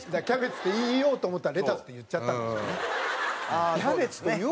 キャベツって言おうと思ったらレタスって言っちゃったんでしょうね。